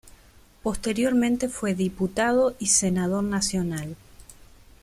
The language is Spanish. Posteriormente fue diputado y senador nacional.